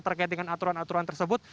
terkait dengan aturan aturan tersebut